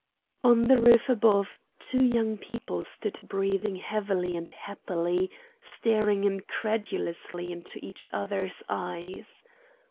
On the roof above, two young people stood breathing heavily and happily, staring incredulously into each other's eyes.